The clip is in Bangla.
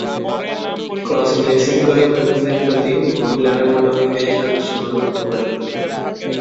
ক্রস-ড্রেসিং করা পুরুষদের প্রতি মহিলারা মনে হয় বেশ আকর্ষণ অনুভব করে।